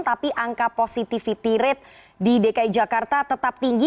tapi angka positivity rate di dki jakarta tetap tinggi